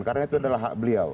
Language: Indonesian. karena itu adalah hak beliau